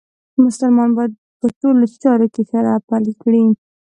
مسلمان باید په ټولو چارو کې شرعه پلې کړي.